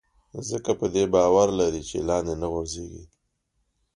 ځکه په دې باور لري چې لاندې نه غورځېږي.